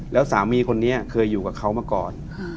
แล้วสามีคนนี้เคยอยู่กับเขามาก่อน